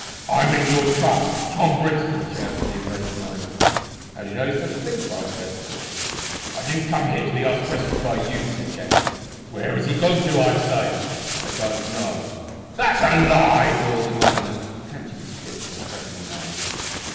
"I mean your chum, Tom Brixton," shouted the enraged miner. "How do you know he's a thief?" asked Westly. "I didn't come here to be asked questions by you," said Gashford. "Where has he gone to, I say?" "I don't know." "That's a lie!" roared the miner, clenching his fist in a threatening manner.